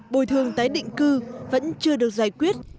bồi thường tái định cư vẫn chưa được giải quyết